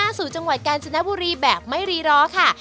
หึคนสู่จังหวัดกราชนบุรีแบบแม่ฤีร้อยค่ะ